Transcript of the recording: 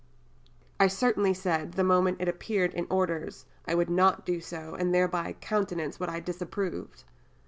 I certainly said, the moment it appeared in Orders, I would not do so, and thereby countenance what I disapproved.